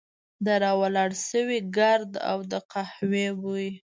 د را ولاړ شوي ګرد او د قهوې بوی.